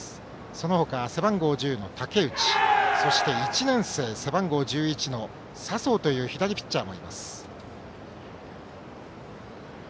その他、背番号１０番、武内１年生、背番号１１の佐宗という左ピッチャーもいます。